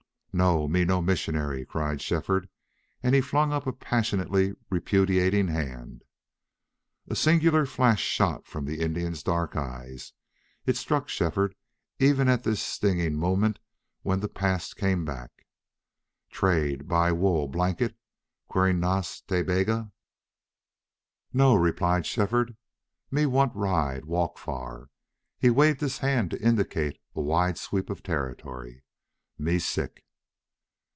"No!... Me no missionary," cried Shefford, and he flung up a passionately repudiating hand. A singular flash shot from the Indian's dark eyes. It struck Shefford even at this stinging moment when the past came back. "Trade buy wool blanket?" queried Nas Ta Bega. "No," replied Shefford. "Me want ride walk far." He waved his hand to indicate a wide sweep of territory. "Me sick."